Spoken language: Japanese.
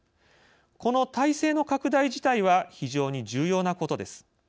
この体制の拡大自体は非常に重要なことです。